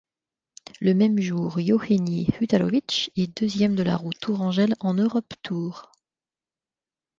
Le même jour, Yauheni Hutarovich est deuxième de la Roue tourangelle en Europe Tour.